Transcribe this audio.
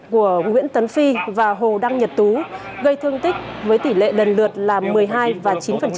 của nguyễn tấn phi và hồ đăng nhật tú gây thương tích với tỷ lệ lần lượt là một mươi hai và chín